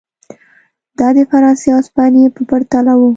دا د فرانسې او هسپانیې په پرتله و.